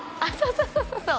そうそうそうそう